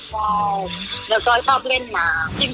ว้าวเดี๋ยวจ้อยชอบเล่นหนัง